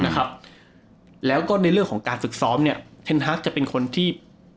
นะครับแล้วก็ในเรื่องของการฝึกซ้อมเนี่ยเทนฮาร์กจะเป็นคนที่